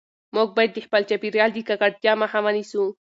موږ باید د خپل چاپیریال د ککړتیا مخه ونیسو.